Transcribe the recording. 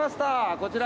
こちら。